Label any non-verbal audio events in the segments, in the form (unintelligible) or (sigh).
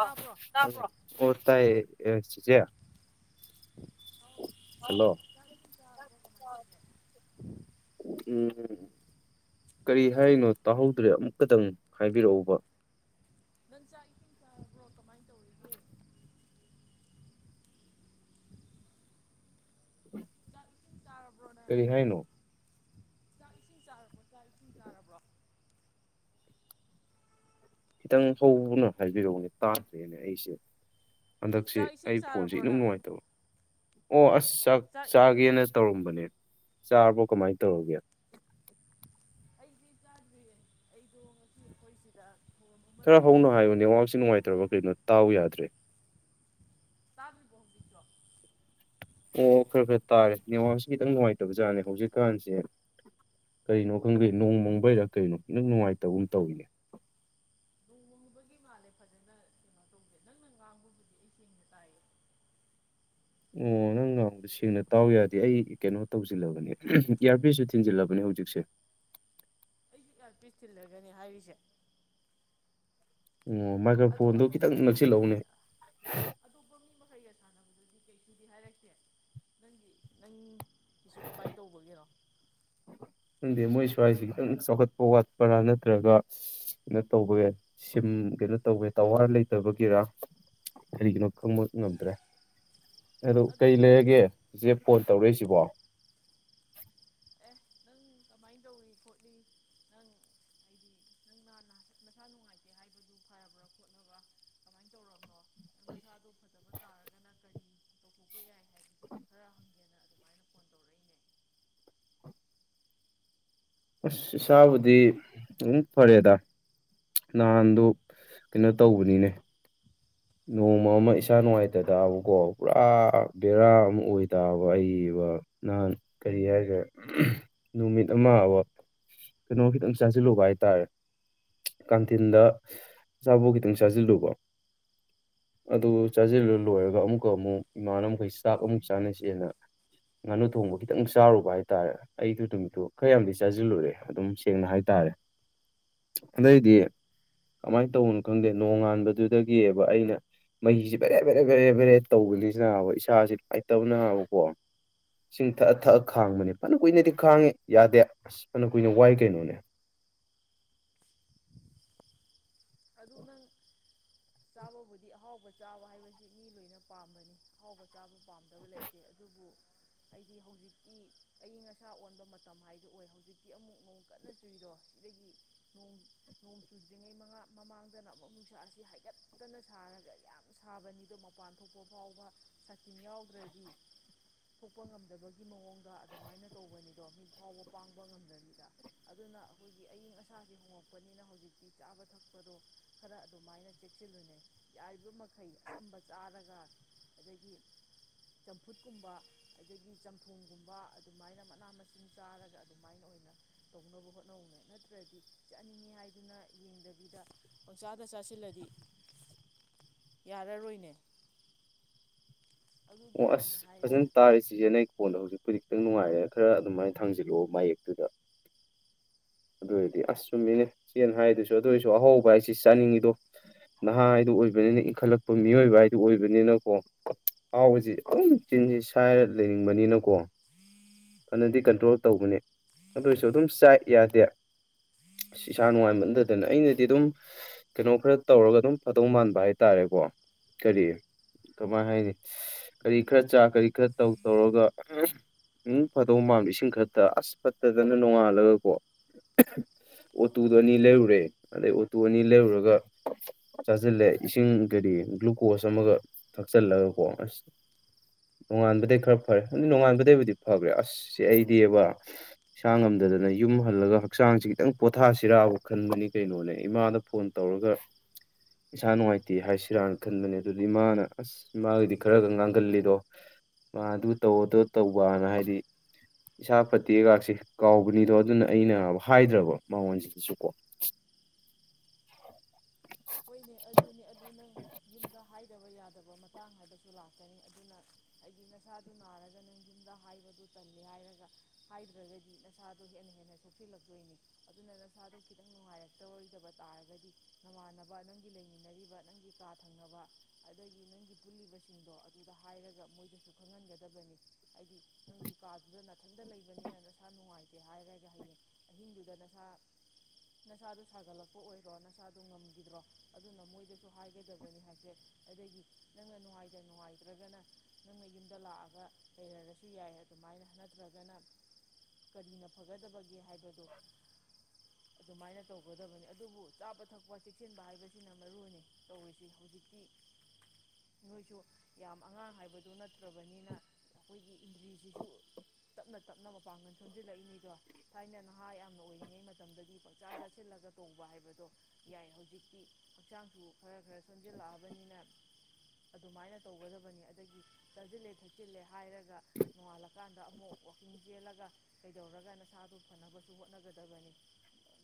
ꯇꯥꯕ꯭ꯔꯣ ꯑꯣ ꯇ ꯑꯦ ꯆꯤꯆꯦ꯫ ꯑꯧ ꯍꯜꯂꯣ ꯎꯝ꯫ (unintelligible) ꯀꯔꯤ ꯍꯥꯏꯔꯤꯅꯣ ꯇꯥꯍꯧꯗ꯭ꯔꯦ ꯑꯃꯨꯛꯀꯇꯪ ꯍꯥꯏꯕꯤꯔꯛꯎꯕ꯫ ꯅꯪ ꯆꯥꯛ ꯏꯁꯤꯡ ꯆꯥꯔꯕ꯭ꯔꯣ ꯀꯃꯥꯏ ꯇꯧꯔꯤꯒꯦ꯫ ꯅꯪ ꯆꯥꯛ ꯏꯁꯤꯡ ꯆꯥꯔꯕ꯭ꯔꯣ ꯀꯃꯥꯏꯅ ꯇꯧꯔꯤꯒꯦ ꯆꯥꯛ ꯏꯁꯤꯡ ꯆꯥꯔꯕ꯭ꯔꯣ ꯅꯪ ꯀꯔꯤ ꯍꯥꯏꯅꯣ꯫ ꯆꯥꯛ ꯏꯁꯤꯡ ꯆꯥꯔꯕ꯭ꯔꯣ ꯆꯥꯛ ꯏꯁꯤꯡ ꯆꯥꯔꯕ꯭ꯔꯣ꯫ ꯈꯤꯇꯪ ꯍꯧꯅ ꯍꯥꯏꯕꯤꯔꯛꯎꯅꯦ ꯇꯥꯗ꯭ꯔꯦꯅꯦ ꯑꯩꯁꯦ꯫ ꯍꯟꯗꯛꯁꯤ ꯆꯥꯛ ꯏꯁꯤꯡ ꯑꯩ ꯐꯣꯟꯖꯤ ꯆꯥꯔꯕ꯭ꯔꯣ ꯏꯅꯝ ꯅꯪ ꯅꯨꯡꯉꯥꯏꯇꯕ꯫ ꯑꯣ ꯑꯁ (unintelligible) ꯆꯥꯛ ꯆꯥꯒꯦꯅꯥ ꯇꯧꯔꯝꯕꯅꯦ ꯆꯥꯔꯕꯔꯣ ꯀꯃꯥꯏ ꯇꯧꯔꯒꯦ꯫ ꯑꯩꯗꯤ ꯆꯥꯗ꯭ꯔꯤꯌꯦ ꯑꯩꯗꯣ ꯉꯁꯤ ꯑꯩꯈꯣꯏꯁꯤꯗ ꯈꯔꯥ ꯍꯧꯅ ꯍꯥꯏꯌꯣ ꯅꯦꯠꯋꯥꯛꯁꯤ ꯅꯨꯡꯉꯥꯏꯇ꯭ꯔꯕ ꯀꯩꯅꯣ ꯇꯥꯎ ꯌꯥꯗ꯭ꯔꯦ꯫ ꯇꯥꯗꯔꯤꯕꯣ ꯍꯧꯖꯤꯛꯁꯨ꯫ ꯑꯣ ꯈꯔ ꯈꯔ ꯇꯥꯔꯦ ꯅꯦꯠꯋꯥꯛꯁꯤ ꯈꯤꯇꯪ ꯅꯨꯡꯉꯥꯏꯇꯕꯖꯥꯅꯦ ꯍꯧꯖꯤꯛꯀꯥꯟꯖꯦ ꯀꯩꯅꯣ ꯈꯪꯗꯦ ꯅꯣꯡ ꯃꯪꯕꯩꯔꯥ ꯀꯩꯅꯣ ꯈꯤꯇꯪ ꯅꯨꯡꯉꯥꯏꯇꯕꯒꯨꯝ ꯇꯧꯋꯤꯅꯦ꯫ ꯅꯣꯡꯃꯪꯕꯒꯤ ꯃꯥꯜꯂꯦ ꯐꯖꯅ ꯀꯩꯅꯣ ꯇꯧꯗꯦ ꯅꯪꯅ ꯉꯥꯡꯕꯕꯨꯗꯤ ꯑꯩ ꯁꯦꯡꯅ ꯇꯥꯏꯌꯦ꯫ ꯑꯣ ꯅꯪ ꯉꯥꯡꯕꯗꯤ ꯁꯦꯡꯅꯥ ꯇꯥꯎ ꯌꯥꯗꯦ ꯑꯩ ꯀꯩꯅꯣ ꯇꯧꯖꯤꯜꯂꯕꯅꯦ ꯏꯌꯥꯔꯄꯤꯁꯁꯨ ꯊꯤꯟꯖꯤꯜꯂꯕꯅꯦ ꯍꯧꯖꯤꯛꯁꯦ꯫ ꯑꯩꯖꯨ ꯏꯌꯥꯔꯄꯤꯁ ꯊꯤꯜꯂꯒꯅꯦ ꯍꯥꯏꯔꯤꯖꯦ꯫ ꯑꯣ ꯃꯥꯏꯀ꯭ꯔꯐꯣꯟꯗꯣ ꯈꯤꯇꯪ ꯃꯈꯩ ꯅꯛꯁꯤꯜꯂꯧꯅꯦ꯫ ꯑꯇꯣꯞꯄ ꯃꯤ ꯃꯈꯩꯒ ꯁꯥꯟꯅꯕꯗꯗꯤ ꯀꯩꯁꯨꯗꯤ ꯍꯥꯏꯔꯛꯇꯦ ꯅꯪꯒꯤ ꯅꯪꯒꯤꯁꯨ ꯀꯃꯥꯏ ꯇꯧꯕꯒꯤꯅꯣ꯫ ꯈꯪꯗꯦ ꯃꯣꯏ ꯁ꯭ꯋꯥꯏꯁꯦ ꯈꯤꯇꯪ ꯆꯥꯎꯈꯠꯄ ꯋꯥꯠꯄꯔꯥ ꯅꯠꯇ꯭ꯔꯒ ꯀꯩꯅꯣ ꯇꯧꯕꯩ ꯁꯤꯝ ꯀꯩꯅꯣ ꯇꯧꯕꯩ ꯇꯋꯥꯔ ꯂꯩꯇꯕꯒꯤꯔꯥ ꯀꯔꯤꯒꯤꯅꯣ ꯈꯪꯕ ꯉꯝꯗ꯭ꯔꯦ꯫ ꯑꯗꯨ ꯑꯗꯣ ꯀꯩ ꯐꯔꯦ ꯂꯩꯔꯒꯦ (unintelligible) ꯐꯣꯟ ꯇꯧꯔꯛꯏ (unintelligible) (unintelligible) ꯀꯃꯥꯏꯅ ꯇꯧꯔꯤ ꯈꯣꯠꯂꯤ ꯅꯪ ꯍꯥꯏꯗꯤ ꯅꯪ ꯅꯍꯥꯟ ꯅꯍꯥꯟ ꯅꯁꯥ ꯅꯨꯡꯉꯥꯏꯇꯦ ꯍꯥꯏꯕꯗꯨ ꯐꯔꯕ꯭ꯔꯥ ꯈꯣꯠꯂꯕ ꯀꯃꯥꯏ ꯇꯧꯔꯕꯅꯣ ꯅꯪ ꯃꯁꯥꯗꯣ ꯐꯠꯇꯕ ꯇꯥꯔꯒꯅ ꯀꯔꯤ ꯇꯧꯊꯣꯛꯄ ꯌꯥꯏ ꯍꯥꯏ ꯇꯧꯔꯛꯏꯅꯦ ꯑꯁ ꯏꯁꯥꯕꯨꯗꯤ ꯑꯗꯨꯝ ꯐꯔꯦꯗ ꯅꯍꯥꯟꯗꯨ ꯀꯩꯅꯣ ꯇꯧꯕꯅꯤꯅꯦ ꯅꯣꯡꯃ ꯑꯃ ꯏꯁꯥ ꯅꯨꯡꯉꯥꯏꯇ ꯇꯥꯔꯕꯀꯣ ꯄꯨꯔꯥ ꯕꯦꯔꯥ ꯑꯃ ꯑꯣꯏ ꯅꯥꯕ ꯑꯩꯕ ꯅꯍꯥꯟ ꯀꯔꯤ ꯍꯥꯏꯈꯦ ꯅꯨꯃꯤꯠ ꯑꯃꯕ (unintelligible) ꯀꯩꯅꯣ ꯈꯤꯇꯪ ꯆꯥꯁꯤꯜꯂꯨꯕ ꯍꯥꯏ ꯇꯥꯔꯦ ꯀꯥꯟꯇꯤꯟꯗ ꯑꯆꯥꯄꯨꯣꯠ ꯈꯤꯇꯪ ꯆꯥꯁꯤꯜꯂꯨꯕ ꯑꯗꯨ ꯆꯥꯖꯤꯜꯂ ꯂꯣꯏꯔꯒ ꯑꯃꯨꯛꯀ ꯑꯃꯨꯛ ꯏꯃꯥꯟꯅ ꯃꯈꯩ ꯆꯥꯛ ꯑꯃꯨꯛ ꯆꯥꯟꯅꯁꯦꯅ ꯉꯥꯅꯨ ꯊꯣꯡꯕ ꯈꯤꯇꯪ ꯆꯥꯔꯨꯕ ꯍꯥꯏꯇꯥꯥꯔꯦ ꯑꯩꯗꯨ ꯅꯨꯃꯤꯠꯇꯨ ꯈꯔ ꯌꯥꯝꯗꯤ ꯆꯥꯖꯤꯜꯂꯨꯔꯦ ꯑꯗꯨꯝ ꯅꯨꯃꯤꯠꯇꯨ ꯈꯔ ꯌꯥꯝꯗꯤ ꯆꯥꯖꯤꯜꯂꯨꯔꯦ ꯑꯗꯨꯝ ꯁꯦꯡꯅ ꯍꯥꯏ ꯇꯥꯔꯦ ꯑꯗꯩꯗꯤ ꯀꯃꯥꯏ ꯇꯧꯕꯅꯣ ꯈꯪꯗꯦ ꯅꯣꯡꯉꯥꯟꯕꯗꯨꯗ ꯅꯦꯑꯕ ꯑꯩꯅ ꯃꯍꯤꯁꯤ ꯕꯦꯔꯦ ꯕꯦꯔꯦ ꯕꯦꯔꯦ ꯕꯦꯔꯦ ꯇꯧꯕꯒꯤꯁꯤꯅꯕ ꯏꯁꯥꯥꯁꯤ ꯅꯨꯡꯉꯥꯏꯇꯕꯅꯕꯀꯣ ꯏꯁꯤꯡ ꯊꯛꯑ ꯊꯛꯑ ꯈꯥꯡꯕꯅꯦ ꯐꯅ ꯀꯨꯏꯅꯗꯤ ꯈꯥꯡꯉꯦ ꯌꯥꯗꯦ ꯑꯁ ꯐꯅ ꯀꯨꯏꯅ ꯋꯥꯏ ꯀꯩꯅꯣꯅꯦ꯫ ꯑꯗꯨ ꯅꯪ ꯆꯥꯕꯕꯨꯗꯤ ꯑꯍꯥꯎꯕ ꯆꯥꯕ ꯍꯥꯏꯕꯁꯤ ꯃꯤ ꯂꯣꯏꯅ ꯄꯥꯝꯕꯅꯤ ꯑꯍꯥꯎꯕ ꯆꯥꯕ ꯄꯥꯝꯗꯕ ꯂꯩꯇꯦ ꯑꯗꯨꯕꯨ ꯑꯩꯗꯤ ꯍꯧꯖꯤꯛꯇꯤ ꯑꯏꯤꯡ ꯑꯁꯥ ꯑꯣꯟꯕ ꯃꯇꯝ ꯍꯥꯏꯗꯣ ꯑꯣꯏ ꯍꯧꯖꯤꯛꯇꯤ ꯑꯃꯨꯛ ꯅꯣꯡ ꯀꯟꯅ ꯆꯨꯏꯗꯣ ꯁꯤꯗꯒꯤ ꯅꯣꯡ ꯅꯣꯡ ꯆꯨꯗ꯭ꯔꯤꯉꯩ ꯃꯃꯥꯡꯗꯅ ꯑꯃꯨꯛ ꯅꯨꯡꯁꯥ ꯑꯁꯤ ꯍꯥꯏꯒꯠꯇꯅ ꯁꯥꯔꯒ ꯌꯥꯝ ꯁꯥꯕꯅꯤꯗꯣ ꯃꯄꯥꯟ ꯊꯣꯛꯄ ꯐꯥꯎꯕ ꯁꯥꯇꯤꯟ ꯌꯥꯎꯗ꯭ꯔꯗꯤ ꯊꯣꯛꯄ ꯉꯝꯗꯕꯒꯤ ꯃꯑꯣꯡꯗ ꯑꯗꯨꯃꯥꯏꯅ ꯇꯧꯕꯅꯤꯗꯣ ꯃꯤꯠ ꯐꯥꯎꯕ ꯄꯥꯡꯕ ꯉꯝꯗꯕꯤꯗ ꯑꯗꯨꯅ ꯑꯩꯈꯣꯏꯒꯤ ꯑꯏꯤꯡ ꯑꯁꯥꯁꯦ ꯍꯣꯡꯉꯛꯄꯅꯤꯅ ꯍꯧꯖꯤꯛꯇꯤ ꯆꯥꯕ ꯊꯛꯄꯗꯣ ꯈꯔ ꯑꯗꯨꯃꯥꯏꯅ ꯆꯦꯛꯁꯤꯜꯂꯨꯅꯦ ꯌꯥꯔꯤꯕ ꯃꯈꯩ ꯑꯆꯝꯕ ꯆꯥꯔꯒ ꯑꯗꯒꯤ ꯆꯝꯐꯨꯠꯀꯨꯝꯕ ꯑꯗꯒꯤ ꯆꯝꯊꯣꯡꯒꯨꯝꯕ ꯑꯗꯨꯃꯥꯏꯅ ꯃꯅꯥ ꯃꯁꯤꯡ ꯆꯥꯔꯒ ꯑꯗꯨꯃꯥꯏꯅ ꯑꯣꯏꯅ ꯇꯧꯅꯕ ꯍꯣꯠꯅꯧꯅꯦ ꯅꯠꯇ꯭ꯔꯗꯤ ꯆꯥꯅꯤꯡꯉꯤ ꯍꯥꯏꯗꯨꯅ ꯌꯦꯡꯗ (unintelligible) ꯄꯪꯆꯥꯗ ꯆꯥꯁꯤꯜꯂꯗꯤ ꯌꯥꯔꯔꯣꯏꯅꯦ꯫ ꯑꯣ ꯑꯗꯨꯒꯤꯅꯤ ꯑꯁ ꯑꯩꯅ ꯍꯥꯏꯔꯤꯁꯦ ꯐꯖꯅ ꯇꯥꯔꯦ ꯆꯦꯆꯦ ꯅꯪ ꯈꯣꯟꯗꯣ ꯍꯧꯖꯤꯛꯄꯨꯗꯤ꯫ ꯑꯗꯨ ꯅꯨꯡꯉꯥꯏꯔꯦ ꯈꯔ ꯑꯗꯨꯃꯥꯏꯅ ꯊꯥꯡꯖꯤꯜꯂꯛꯑꯣ ꯃꯌꯦꯛꯇꯨꯗ꯫ ꯑꯗꯨ ꯑꯣꯏꯔꯗꯤ ꯑꯁ ꯆꯨꯝꯃꯤꯅꯦ ꯏꯆꯦꯏ ꯍꯥꯏꯗꯨꯁꯨ ꯑꯗꯨ ꯑꯣꯏꯔꯁꯨ ꯑꯍꯥꯎꯕ ꯍꯥꯏꯁꯤ ꯆꯥꯅꯤꯡꯉꯤꯗꯣ ꯅꯍꯥ ꯍꯥꯏꯗꯨ ꯑꯣꯏꯕꯅꯤꯅ ꯏꯟꯈꯠꯂꯛꯄ ꯃꯤꯑꯣꯏꯕ ꯍꯥꯏꯗꯨ ꯑꯣꯏꯕꯅꯤꯅꯀꯣ ꯑꯍꯥꯎꯕꯖꯤ ꯑꯗꯨꯝ ꯆꯦꯟꯖꯤ꯭ ꯁꯥꯏꯔ ꯂꯩꯅꯤꯡꯕꯅꯤꯅꯀꯣ ꯐꯅꯗꯤ ꯀꯟꯇ꯭ꯔꯣꯜ ꯇꯧꯕꯅꯤ ꯑꯗꯨ ꯑꯣꯏꯔꯁꯨ ꯑꯗꯨꯝ ꯆꯥꯏ꯫ ꯌꯥꯗꯦ ꯑꯁ ꯏꯁꯥ ꯅꯨꯡꯉꯥꯏꯃꯟꯗꯗꯅ ꯑꯩꯅꯗꯤ ꯑꯗꯨꯝ ꯀꯩꯅꯣ ꯈꯔ ꯇꯧꯔꯒ ꯑꯗꯨꯝ ꯐꯗꯧ ꯃꯥꯟꯕ ꯍꯥꯏꯇꯥꯔꯦꯀꯣ ꯀꯔꯤ ꯀꯃꯥꯏ ꯍꯥꯏꯅꯤ ꯀꯔꯤ ꯈꯔ ꯆꯥ ꯀꯔꯤ ꯈꯔ ꯇꯧ ꯇꯧꯔꯒ ꯑꯝ ꯗꯨꯝ ꯐꯥꯥꯗꯧ ꯃꯥꯟꯕ ꯏꯁꯤꯡ ꯈꯔ ꯊꯤ ꯑꯁ ꯐꯠꯇꯗꯅ ꯅꯣꯡꯉꯥꯜꯂꯒꯀꯣ꯫ ꯑꯣꯇꯨꯗꯣ ꯑꯅꯤ ꯂꯩꯔꯨꯔꯦ ꯑꯗꯩ ꯑꯣꯇꯨ ꯑꯅꯤ ꯂꯩꯔꯨꯔꯒ ꯆꯥꯁꯤꯜꯂꯦ ꯏꯁꯤꯡ ꯀꯔꯤ ꯒ꯭ꯂꯨꯀꯣꯁ ꯑꯃꯒ ꯊꯛꯆꯜꯂꯒꯀꯣ ꯑꯁ ꯅꯣꯡꯉꯥꯟꯕꯗꯩ ꯈꯔ ꯐꯔꯦ ꯑꯗꯨꯝ꯭ ꯅꯣꯉꯥꯟꯕꯗꯩꯕꯨꯗꯤ ꯐꯒ꯭ꯔꯦ ꯑꯁ ꯏꯆꯦ ꯑꯩꯗꯤꯕ ꯏꯁꯥ ꯉꯝꯗꯗꯅ ꯌꯨꯝ ꯍꯜꯂꯒ ꯍꯛꯆꯥꯡꯁꯤ ꯈꯤꯇꯪ ꯄꯣꯊꯥꯁꯤꯔꯥꯕ ꯈꯟꯕꯅꯤ ꯀꯩꯅꯣꯅꯦ ꯏꯃꯥꯗ ꯐꯣꯟ ꯇꯧꯔꯒ ꯏꯁꯥ ꯅꯨꯡꯉꯥꯏꯇꯦ ꯍꯥꯏꯁꯤꯔꯥ ꯈꯟꯕꯅꯦ ꯑꯗꯨꯗꯤ ꯏꯃꯥꯅ ꯑꯁ ꯏꯃꯥꯒꯤꯗꯤ ꯈꯔꯒ ꯉꯥꯡꯒꯜꯂꯦꯗꯣ ꯃꯥ ꯑꯗꯨ ꯇꯧꯑꯣꯗꯣ ꯇꯧꯕꯅ ꯍꯥꯏꯗꯤ ꯏꯁꯥ ꯐꯠꯇꯦꯒꯁꯦ ꯀꯥꯎꯕꯅꯤꯗꯣ ꯑꯗꯨꯅ ꯑꯩꯅ ꯍꯥꯏꯗ꯭ꯔꯕ ꯃꯉꯣꯟꯁꯤꯗꯁꯨ ꯀꯣ ꯍꯣꯏꯅꯦ ꯑꯗꯨꯅꯦ ꯑꯗꯨ ꯅꯪ ꯌꯨꯝꯗ ꯍꯥꯏꯗꯕ ꯌꯥꯗꯕ ꯃꯇꯥꯡ ꯍꯥꯏꯕꯁꯨ ꯂꯥꯛꯀꯅꯤ ꯑꯗꯨꯅ ꯍꯥꯏꯗꯤ ꯅꯁꯥꯗꯨ ꯅꯥꯔꯒ ꯅꯪ ꯌꯨꯝꯗ ꯍꯥꯏꯕꯗꯨ ꯇꯜꯒꯦ ꯍꯥꯏꯔꯒ ꯍꯥꯏꯗ꯭ꯔꯒꯗꯤ ꯅꯁꯥꯗꯣ ꯍꯦꯟꯅ ꯍꯦꯟꯅ ꯁꯣꯛꯆꯤꯜꯂꯛꯇꯣꯏꯅꯤ ꯑꯗꯨꯅ ꯅꯁꯥꯗꯣ ꯈꯤꯇꯪ ꯅꯨꯡꯉꯥꯏꯔꯛꯇꯔꯣꯏꯗꯕ ꯇꯥꯔꯒꯗꯤ ꯅꯃꯥꯟꯅꯕ ꯅꯪꯒꯤ ꯂꯩꯃꯤꯟꯅꯔꯤꯕ ꯅꯪꯒꯤ ꯀꯥ ꯊꯪꯅꯕ ꯑꯗꯒꯤ ꯅꯪꯒꯤ ꯄꯨꯜꯂꯤꯕꯁꯤꯡꯗꯣ ꯑꯗꯨꯗ ꯍꯥꯏꯔꯒ ꯃꯣꯏꯗꯁꯨ ꯈꯪꯍꯟꯒꯗꯕꯅꯤ ꯍꯥꯏꯗꯤ ꯅꯪꯒꯤ ꯀꯥꯗꯨꯗ ꯅꯥꯊꯪꯗ ꯂꯩꯕꯅꯤꯅ ꯅꯁꯥ ꯅꯨꯡꯉꯥꯏꯇꯦ ꯍꯥꯏꯔꯒ ꯍꯌꯦꯌꯦꯡ ꯑꯍꯤꯡꯗꯨꯗ ꯅꯁꯥ ꯅꯁꯥꯗꯣ ꯁꯥꯒꯠꯂꯛꯄ ꯑꯣꯏꯔꯣ ꯅꯁꯥꯗꯣ ꯉꯝꯈꯤꯗ꯭ꯔꯣ ꯑꯗꯨꯅ ꯃꯣꯏꯗꯁꯨ ꯍꯥꯏꯒꯗꯕꯅꯤ ꯍꯥꯏꯁꯦ ꯑꯗꯒꯤ ꯅꯪꯅ ꯅꯨꯡꯉꯥꯏꯇ ꯅꯨꯡꯉꯥꯏꯇ꯭ꯔꯒꯅ ꯅꯪꯅ ꯌꯨꯝꯗ ꯂꯥꯛꯑꯒ ꯂꯩꯔꯔꯁꯨ ꯌꯥꯏ ꯑꯗꯨꯃꯥꯏꯅ ꯅꯠꯇ꯭ꯔꯒꯅ ꯀꯔꯤꯅ ꯐꯒꯗꯕꯒꯦ ꯍꯥꯏꯕꯗꯣ ꯑꯗꯨꯃꯥꯏꯅ ꯇꯧꯒꯗꯕꯅꯤ ꯑꯗꯨꯕꯨ ꯆꯥꯕ ꯊꯛꯄ ꯆꯦꯛꯁꯤꯟꯕ ꯍꯥꯏꯕ ꯍꯥꯏꯕꯁꯤꯅ ꯃꯔꯨ ꯑꯣꯏꯅ ꯇꯧꯔꯤꯁꯤ ꯍꯧꯖꯤꯛꯇꯤ ꯅꯣꯏꯁꯨ ꯌꯥꯝ ꯑꯉꯥꯡ ꯍꯥꯏꯕꯗꯣ ꯅꯠꯇ꯭ꯔꯕꯅꯤꯅ ꯑꯩꯈꯣꯏꯒꯤ ꯏꯟꯗ꯭ꯔꯤꯁꯤꯁꯨ ꯇꯞꯅ ꯇꯞꯅ ꯃꯄꯥꯡꯒꯜ ꯁꯣꯟꯖꯤꯜꯂꯛꯏꯅꯤꯗꯣ ꯊꯥꯏꯅ ꯅꯍꯥ ꯌꯥꯝꯅ ꯑꯣꯏꯔꯤꯉꯩ ꯃꯇꯝꯗꯗꯤ ꯄꯥꯛꯆꯥ ꯆꯥꯁꯤꯜꯂꯒ ꯇꯧꯕ ꯍꯥꯏꯕꯗꯣ ꯌꯥꯏ ꯍꯧꯖꯤꯛꯇꯤ ꯍꯛꯆꯥꯡꯁꯨ ꯈꯔ ꯈꯔ ꯁꯣꯟꯖꯤꯜꯂꯛꯑꯕꯅꯤꯅ ꯑꯗꯨꯃꯥꯏꯅ ꯇꯧꯒꯗꯕꯅꯤ ꯑꯗꯒꯤ ꯆꯥꯁꯤꯜꯂꯦ ꯊꯛꯆꯤꯜꯂꯦ ꯍꯥꯏꯔꯒ ꯅꯣꯡꯉꯥꯜꯂꯛꯄ ꯀꯥꯟꯗ ꯑꯃꯨꯛ ꯋꯥꯥꯛꯀꯤꯡ ꯌꯦꯦꯜꯂꯒ ꯀꯩꯗꯧꯔꯒꯅ ꯁꯥꯗ ꯐꯅꯕꯁꯨ ꯍꯣꯠꯅꯒꯗꯕꯅꯤ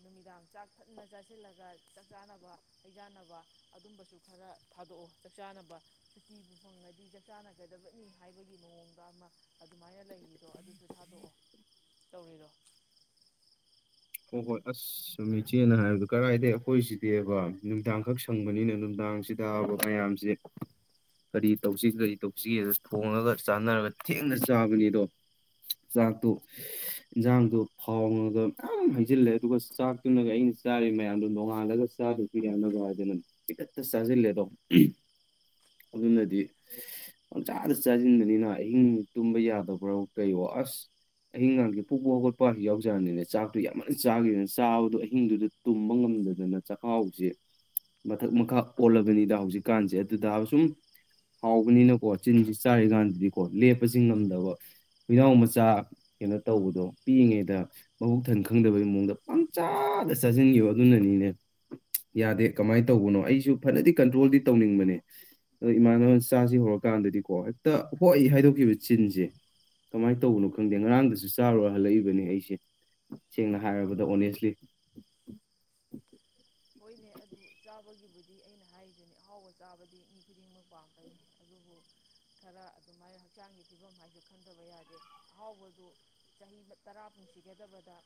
ꯅꯨꯃꯤꯗꯥꯡ ꯆꯥꯛ ꯊꯟꯅ ꯆꯥꯁꯤꯜꯂꯒ ꯆꯥꯛ ꯆꯥꯅꯕ ꯍꯩꯖꯥꯟꯅꯕ ꯑꯗꯨꯝꯕꯁꯨ ꯈꯔ ꯊꯥꯗꯣꯛꯑꯣ ꯆꯥꯛ ꯆꯥꯅꯕ ꯁꯨꯇꯤꯕꯨ ꯐꯪꯉꯗꯤ ꯆꯥꯛ ꯆꯥꯅꯒꯗꯕꯅꯤ ꯍꯥꯏꯕꯒꯤ ꯃꯑꯣꯡꯗ ꯑꯃ ꯑꯗꯨꯃꯥꯏꯅ ꯂꯩꯔꯤꯗꯣ ꯑꯗꯨꯁꯨ ꯊꯥꯗꯣꯛꯑꯣ ꯇꯧꯔꯤꯗꯣ ꯍꯈꯣꯏ ꯑꯁꯁꯨ ꯏꯆꯦꯅ ꯍꯥꯏꯕꯗ ꯀꯔꯥꯏꯗꯒꯤꯩ ꯑꯩꯈꯣꯏꯁꯤꯗꯤꯕ ꯅꯨꯡꯗꯥꯡꯈꯛ ꯁꯪꯕꯅꯤꯅ ꯅꯨꯡꯗꯥꯡꯁꯤꯗꯕ ꯃꯌꯥꯝꯁꯦ ꯀꯔꯤ ꯇꯧꯁꯤꯒꯦ ꯀꯔꯤ ꯇꯧꯁꯤꯒꯦꯗ ꯊꯣꯡꯉꯒ ꯆꯥꯅꯔꯒ ꯊꯦꯡꯅ ꯆꯥꯕꯅꯤ ꯑꯗꯣ ꯆꯥꯛꯇꯨ ꯏꯟꯖꯥꯡꯗꯣ ꯐꯥꯎꯉꯒ ꯌꯥꯝ ꯍꯩꯖꯤꯜꯂꯦ ꯑꯗꯨꯒ ꯆꯥꯛꯇꯨꯅꯒ ꯑꯩꯅ ꯆꯥꯔꯤꯕ ꯃꯌꯥꯝꯗꯣ ꯅꯣꯡꯉꯥꯜꯂꯒ ꯆꯥꯗꯁꯨ ꯌꯥꯅꯕ꯭ꯔꯥ ꯍꯥꯏꯗꯅ ꯇꯤꯀꯠꯇ ꯆꯥꯁꯤꯜꯂꯦꯗꯣ ꯑꯗꯨꯅꯗꯤ ꯄ ꯆꯥꯗ ꯆꯥꯁꯤꯟꯕꯅꯤꯅ ꯑꯍꯤꯡ ꯇꯨꯝꯕ ꯌꯥꯗꯕ꯭ꯔꯣ ꯀꯩꯣ ꯑꯁ ꯑꯍꯤꯡꯒꯥꯡꯁ ꯄꯨꯣꯛꯄ ꯍꯧꯒꯣꯠꯄꯁꯨ ꯌꯥꯎꯖꯔꯅꯤꯅꯦ ꯆꯥꯛ ꯑꯗꯨ ꯌꯥꯝꯟꯅ ꯆꯥꯈꯤꯗꯅ ꯆꯥꯕꯗꯣ ꯑꯍꯤꯡꯗꯨꯗ ꯇꯨꯝꯕ ꯉꯝꯗꯗꯅ ꯆꯥꯛꯈꯥꯎꯁꯦ ꯃꯊꯛ ꯃꯈꯥ ꯑꯣꯜꯂꯕꯅꯤꯗ ꯍꯧꯖꯤꯛꯀꯥꯟꯁꯦ ꯑꯗꯨꯗ ꯁꯨꯝ ꯍꯥꯎꯕꯅꯤꯅꯀꯣ ꯆꯤꯟꯁꯤ ꯆꯥꯔꯤꯀꯥꯟꯗꯗꯤꯀꯣ ꯂꯦꯞꯄꯁꯤ ꯉꯝꯗꯕ ꯍꯨꯏꯅꯥꯎ ꯃꯆꯥ ꯀꯩꯅꯣ ꯇꯧꯕꯗꯣ ꯄꯤꯛꯉꯦꯗ ꯃꯕꯨꯛ ꯊꯟ ꯈ ꯈꯪꯗꯕꯩ ꯃꯑꯣꯡꯗ ꯄꯪ ꯆꯥꯗ ꯆꯥꯁꯤꯟꯈꯤꯕ ꯑꯗꯨꯅꯅꯤꯅꯦ ꯌꯥꯗꯦ ꯀꯃꯥꯏꯅ ꯇꯧꯕꯅꯣ ꯑꯩꯁꯨ ꯐꯅꯗꯤ ꯀꯟꯇ꯭ꯔꯣꯜꯗꯤ ꯇꯧꯅꯤꯡꯕꯅꯦ ꯑꯗꯣ ꯏꯃꯥꯟꯅꯕꯅ ꯆꯥꯁꯤ ꯍꯧꯔꯀꯥꯟꯗꯗꯤꯀꯣ ꯍꯦꯛꯇ ꯍꯣꯏ ꯍꯥꯏꯗꯣꯛꯈꯤꯕ ꯆꯤꯟꯁꯦ ꯀꯃꯥꯏꯅ ꯇꯧꯕꯅꯣ ꯈꯪꯗꯦ ꯉꯔꯥꯡꯗꯁꯨ ꯆꯥꯔꯨꯔ ꯍꯜꯂꯛꯏꯕꯅꯦ ꯑꯩꯁꯦ ꯁꯦꯡꯅ ꯍꯥꯏꯔꯕꯗ ꯑꯣꯅꯦꯁꯂꯤ ꯍꯣꯏꯅꯦ ꯑꯗꯨ ꯆꯥꯕꯒꯤꯕꯨꯗꯤ ꯑꯩꯅ ꯍꯥꯏꯔꯤꯗꯨꯅꯤ ꯑꯍꯥꯎꯕ ꯆꯥꯕꯗꯤ ꯃꯤ ꯈꯨꯗꯤꯡꯃꯛ ꯄꯥꯝꯒꯅꯤ ꯑꯗꯨꯕꯨ ꯈꯔ ꯑꯗꯨꯃꯥꯏꯅ ꯍꯛꯆꯥꯡꯒꯤ ꯐꯤꯕꯝ ꯍꯥꯏꯁꯨ ꯈꯟꯗꯕ ꯌꯥꯗꯦ ꯑꯍꯥꯎꯕꯗꯨ ꯆꯍꯤ ꯇꯔꯥ ꯄꯨꯨꯡꯁꯤꯒꯗꯕꯗ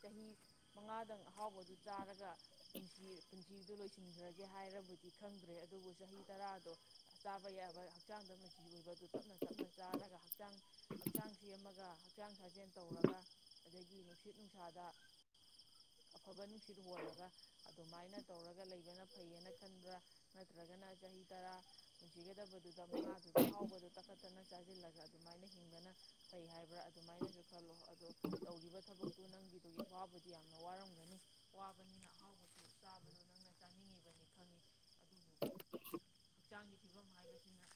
ꯆꯍꯤ ꯃꯉꯥꯗꯪ ꯑꯍꯥꯎꯕꯗꯨ ꯆꯥꯔꯒ ꯄꯨꯁꯤ ꯄꯨꯟꯁꯤꯗ ꯂꯣꯏꯁꯤꯟꯈ꯭ꯔꯒꯦ ꯍꯥꯏꯔꯕꯗꯤ ꯈꯪꯗ꯭ꯔꯦ ꯑꯗꯨꯕꯨ ꯆꯍꯤ ꯇꯔꯥꯗꯣ ꯆꯥꯕ ꯌꯥꯕ ꯍꯛꯆꯥꯡꯗ ꯃꯆꯤ ꯑꯣꯏꯕꯗꯨ ꯇꯞꯅ ꯇꯞꯅ ꯆꯥꯔꯒ ꯍꯛꯆꯥꯡ ꯍꯛꯆꯥꯡꯁꯤ ꯑꯃꯒ ꯍꯛꯆꯥꯡ ꯁꯥ ꯦꯟ ꯇꯧꯔꯒ ꯑꯗꯒꯤ ꯅꯨꯡꯁꯤꯠ ꯅꯨꯡꯁꯥꯗ ꯑꯐꯕ ꯁꯤꯠ ꯍꯣꯜꯂꯒ ꯑꯗꯨꯃꯥꯏꯅ ꯇꯧꯔꯒ ꯂꯩꯕꯅ ꯐꯅ ꯀꯟ꯭ꯔ ꯅꯠꯇ꯭ꯔꯒꯅ ꯆꯍꯤ ꯇꯔꯥ ꯅꯨꯡꯁꯤꯒꯗꯕꯗꯨꯗ ꯃꯉꯥꯗꯨꯗ ꯑꯍꯥꯎꯕꯗꯨꯣ ꯇꯛꯈꯠ ꯇꯛꯅ ꯆꯥꯁꯤꯜꯂꯒ ꯑꯗꯨꯃꯥꯏꯅ ꯍꯤꯡꯗꯅ ꯐꯩ ꯍꯥꯏꯕ꯭ꯔꯥ ꯑꯗꯨꯃꯥꯏꯅꯁꯨ ꯈꯜꯂꯣ ꯑꯗꯣ ꯇꯧꯈꯤꯕ ꯊꯕꯛꯇꯨ ꯅꯪꯒꯤꯗꯨꯒꯤ ꯑꯐꯥꯎꯕꯗꯤ ꯌꯥꯝꯅ ꯋꯥꯔꯝꯒꯅꯤ ꯋꯥꯕꯅꯤꯅ ꯑꯍꯥꯎꯕꯁꯨ ꯆꯥꯕꯗꯣ ꯅꯪꯅ ꯆꯥꯅꯤꯡꯉꯤꯕꯅꯤ ꯈꯪꯉꯤ ꯑꯗꯨꯕꯨ ꯍꯛꯆꯥꯡꯒꯤ ꯐꯤꯕꯝ ꯍꯥꯏꯕꯁꯤꯅ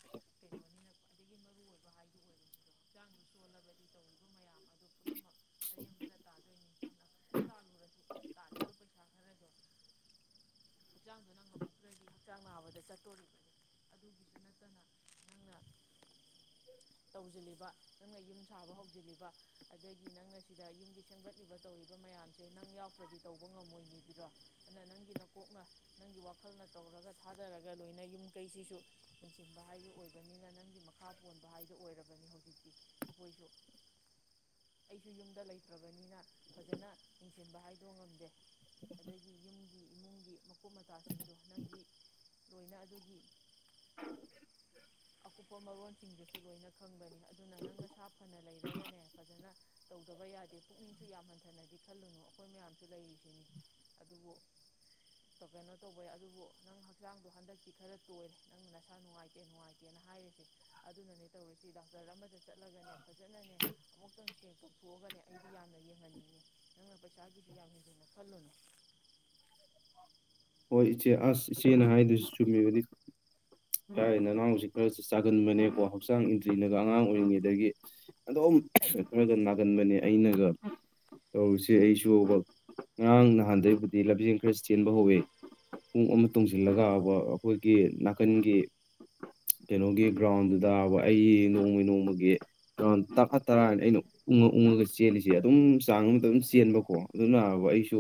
ꯀꯩꯅꯣꯅꯤꯅ ꯈ꯭ꯋꯥꯏꯗꯒꯤ ꯃꯔꯨꯑꯣꯏꯕ ꯍꯥꯏꯗꯨ ꯑꯣꯏꯕꯅꯤꯗꯣ ꯍꯛꯆꯥꯡꯗꯨ ꯁꯣꯜꯂꯕꯗꯤ ꯇꯧꯔꯤꯕ ꯃꯌꯥꯝ ꯑꯗꯨ ꯄꯨꯝꯅꯃꯛ ꯑꯔꯦꯝꯕꯗ ꯇꯥꯗꯣꯏꯅꯤ ꯐꯅ ꯐꯖ ꯇꯥꯜꯂꯨꯔꯁꯨ ꯇꯥꯂꯤꯕ ꯄꯩꯁꯥ ꯈꯔꯗꯣ ꯍꯛꯆꯥꯡꯗꯣꯅꯪ ꯉꯝꯃꯛꯇ꯭ꯔꯗꯤ ꯍꯛꯆꯥꯡ ꯅꯥꯕꯗ ꯆꯠꯇꯣꯔꯤꯕꯅꯤ ꯑꯗꯨꯒꯤꯁꯨ ꯅꯠꯇꯅ ꯅꯪꯅ ꯇꯧꯁꯤꯜꯂꯤꯕ ꯅꯪꯅ ꯌꯨꯝ ꯁꯥꯕ ꯍꯧꯁꯤꯜꯂꯤꯕ ꯑꯗꯒꯤ ꯅꯪꯅ ꯁꯤꯗ ꯌꯨꯝꯒꯤ ꯁꯦꯝꯒꯠꯂꯤꯕ ꯇꯧꯔꯤꯕ ꯃꯌꯥꯝꯁꯦ ꯅꯪ ꯌꯥꯎꯈ꯭ꯔꯗꯤ ꯀꯣꯛꯅ ꯅꯪꯒꯤ ꯋꯥꯈꯜꯅ ꯇꯧꯔꯒ ꯊꯥꯗꯔꯒ ꯂꯣꯏꯅ ꯌꯨꯝ ꯀꯩꯁꯤꯁꯨ ꯌꯦꯡꯁꯤꯟꯕ ꯍꯥꯏꯗꯨ ꯑꯣꯏꯕꯅꯤꯅ ꯅꯪꯒꯤ ꯃꯈꯥ ꯄꯣꯟꯕ ꯍꯥꯏꯗꯨ ꯑꯣꯏꯔꯕꯅꯤ ꯍꯧꯖꯤꯛꯇꯤ ꯑꯩꯈꯣꯏꯁꯨ ꯑꯩꯁꯨ ꯌꯨꯝꯗ ꯂꯩꯇ꯭ꯔꯕꯅꯤꯅ ꯐꯖꯅ ꯌꯦꯡꯁꯤꯟꯕ ꯍꯥꯏ ꯑꯗꯨꯣ ꯉꯝꯗꯦ ꯑꯗꯒꯤ ꯌꯨꯝꯒꯤ ꯏꯃꯨꯡꯒꯤ ꯃꯀꯨꯞ ꯃꯆꯥꯁꯤꯡꯗꯣ ꯅꯪꯒꯤ ꯂꯣꯏꯅ ꯑꯗꯨꯒꯤ ꯑꯀꯨꯞꯄ ꯃꯔꯣꯟꯜꯁꯤꯡꯗꯨꯁꯨ ꯂꯣꯏꯅ ꯈꯪꯕꯅꯤ ꯑꯗꯨꯅ ꯅꯪꯅ ꯁꯥ ꯐꯅ ꯂꯩꯔ ꯒꯅꯦ ꯐꯖꯅ ꯇꯧꯗꯕ ꯌꯥꯗꯦ ꯄꯨꯛꯅꯤꯡꯁꯨ ꯌꯥꯝ ꯍꯟꯊꯅꯗꯤ ꯈꯜꯂꯨꯅꯨ ꯑꯩꯈꯣꯏ ꯃꯌꯥꯝꯁꯨ ꯂꯩꯔꯤꯁꯤꯅꯤ ꯑꯗꯨꯕꯨ ꯀꯩꯅꯣ ꯇꯧꯕꯩ ꯑꯗꯨꯕꯨ ꯅꯪ ꯍꯛꯆꯥꯡꯗꯣ ꯍꯟꯗꯛꯇꯤ ꯈꯔ ꯇꯣꯏꯔꯦ ꯅꯪꯅ ꯅꯁꯥ ꯅꯨꯡꯉꯥꯏꯇꯦ ꯅꯨꯡꯉꯥꯏꯇꯦꯅ ꯍꯥꯏꯔꯤꯁꯦ ꯑꯗꯨꯅꯅꯦ ꯇꯧꯔꯤꯁꯤ ꯗꯥꯛꯇꯔ ꯑꯃꯗ ꯆꯠꯂꯒꯅꯦ ꯐꯖꯅꯅꯦ ꯑꯃꯨꯛꯇꯪ ꯁꯦꯡ ꯇꯣꯛꯊꯣꯛꯑꯒꯅꯦ ꯑꯩꯗꯤ ꯌꯥꯝꯅ ꯌꯦꯡꯍꯟꯅꯤꯡꯉꯤ ꯄꯁꯥꯒꯤ ꯐꯂꯅ ꯍꯣꯏ ꯏꯆꯦ ꯑꯁ ꯏꯆꯦꯅ ꯍꯥꯏꯗꯣꯏꯁꯨ ꯆꯨꯝꯃꯤꯕꯗꯤ ꯏꯥꯏꯦꯅ ꯅꯅꯥꯎꯁ ꯈꯔ ꯆꯥꯒꯟꯕꯅꯦꯀꯣ ꯍꯛꯆꯥꯡ ꯏꯟꯗ꯭ꯔꯤꯅꯒ ꯑꯉꯥꯡ ꯑꯣꯏꯔꯤꯉꯩꯗꯒꯤ ꯑꯗꯨꯝ ꯈꯔꯒ ꯅꯥꯒꯟꯕꯅꯦ ꯑꯩꯅꯒ ꯇꯧꯔꯨꯁꯦ ꯑꯩꯁꯨ ꯉꯔꯥꯡ ꯅꯍꯥꯟꯗꯒꯤꯩꯕꯨꯗꯤ ꯂꯝꯖꯦꯟ ꯈꯔ ꯆꯦꯟꯕ ꯍꯧꯋꯤ ꯄꯨꯡ ꯑꯃ ꯇꯣꯡꯁꯤꯜꯂꯒꯕ ꯑꯩꯈꯣꯏꯒꯤ ꯅꯥꯀꯟꯒꯤ ꯀꯩꯅꯣꯒꯤ ꯒ꯭ꯔꯥꯎꯟꯗꯨꯗꯕ ꯑꯩ ꯅꯣꯡꯃ ꯅꯣꯡꯃꯒꯤ ꯒ꯭ꯔꯥꯎꯟ ꯇꯔꯥ ꯇꯔꯥꯅ ꯑꯩꯅ ꯎꯡꯉ ꯎꯡꯉꯒ ꯆꯦꯜꯂꯤꯁꯦ ꯑꯗꯨꯝ ꯆꯥꯡ ꯑꯃꯗ ꯑꯗꯨꯝ ꯆꯦꯟꯕꯀꯣ ꯑꯗꯨꯅꯕ ꯑꯩꯁꯨ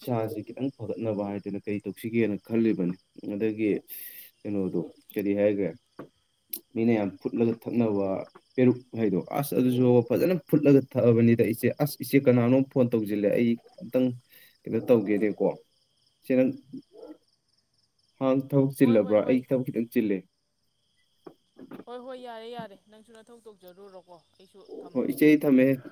ꯏꯁꯥꯁꯦ ꯈꯤꯇꯪ ꯐꯒꯠꯅꯕ ꯍꯥꯏꯗꯨꯅ ꯀꯩ ꯇꯧꯁꯤꯒꯦꯅ ꯈꯜꯂꯤꯕꯅꯤ ꯑꯗꯒꯤ ꯀꯩꯅꯣꯗꯣ ꯀꯔꯤ ꯍꯥꯏꯈ꯭ꯔꯦ ꯃꯤꯅ ꯌꯥꯝ ꯐꯨꯠꯂꯒ ꯊꯛꯅꯕ ꯄꯦꯔꯨꯛ ꯍꯥꯏꯗꯣ ꯑꯁ ꯑꯗꯨꯁꯨ ꯐꯖꯅ ꯐꯨꯠꯂꯒ ꯊꯛꯑꯕꯅꯤꯗ ꯏꯆꯦ ꯑꯁ ꯏꯆꯦ ꯀꯅꯥꯅꯣ ꯐꯣꯟ ꯇꯧꯁꯤꯜꯂꯦ ꯑꯩ ꯑꯝꯇꯪ ꯀꯩꯅꯣ ꯇꯧꯒꯦꯅꯦꯀꯣ ꯆꯔꯪ ꯍꯪ ꯊꯕꯛ ꯍꯣꯏ ꯍꯣꯏ ꯆꯤꯜꯂꯕ꯭ꯔꯥ ꯑꯩ ꯍꯣꯏ ꯊꯕꯛ ꯈꯤꯇꯪ ꯆꯤꯜꯂꯦ ꯍꯣꯏ ꯍꯣꯏ ꯌꯥꯔꯦ ꯌꯥꯔꯦ ꯅꯪꯁꯨ ꯅꯊꯧ ꯇꯧꯖꯔꯨꯔꯣꯀꯣ ꯑꯩꯁꯨ ꯍ ꯊꯝꯃꯒꯦ ꯏꯆꯦ ꯊꯃꯦ ꯎ